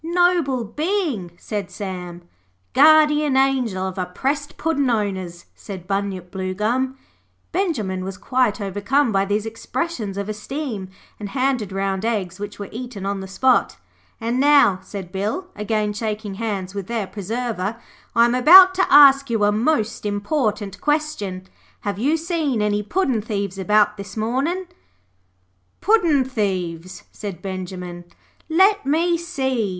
'Noble being,' said Sam. 'Guardian angel of oppressed Puddin' owners,' said Bunyip Bluegum. Benjimen was quite overcome by these expressions of esteem, and handed round eggs, which were eaten on the spot. 'And now,' said Bill, again shaking hands with their preserver, 'I am about to ask you a most important question. Have you seen any puddin' thieves about this mornin'?' 'Puddin' thieves,' said Benjimen. 'Let me see.